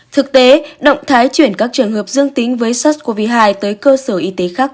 thực tế động thái chuyển các trường hợp dương tính với sars cov hai tới cơ sở y tế khác